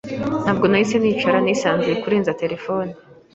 Ntabwo nahise nicara nisanzuye kurenza telefone. .